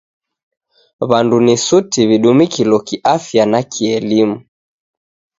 W'andu ni suti w'idumikilo kiafya na kielimu.